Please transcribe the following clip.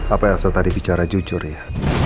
apa yang saya tadi bicara jujur ya